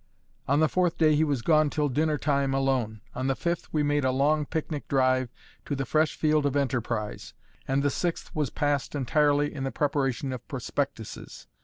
On the fourth day he was gone till dinner time alone; on the fifth we made a long picnic drive to the fresh field of enterprise; and the sixth was passed entirely in the preparation of prospectuses.